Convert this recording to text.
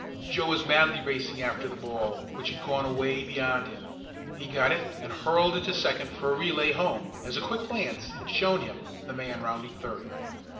Joe was madly racing after the ball, which had gone away beyond him. He got it and hurled it to second for a relay home, as a quick glance had shown him the man rounding third.